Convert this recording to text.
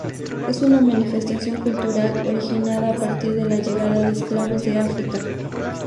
Es una manifestación cultural originada a partir de la llegada de esclavos de África.